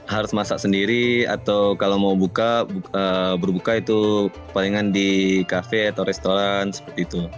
harus masak sendiri atau kalau mau buka berbuka itu palingan di cafe atau restoran seperti itu